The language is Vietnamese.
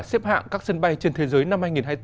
xếp hạng các sân bay trên thế giới năm hai nghìn hai mươi bốn